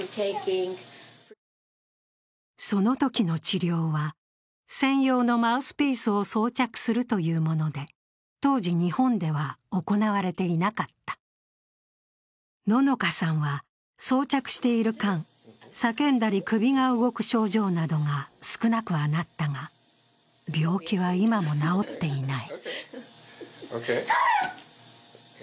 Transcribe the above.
そのときの治療は専用のマウスピースを装着するというもので当時、日本では行われていなかったののかさんは装着している間、叫んだり首が動く症状などが少なくはなったが、病気は今も治っていない。